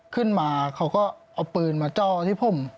ขึ้นมาเขาก็เอาปืนมาจ้อที่ผม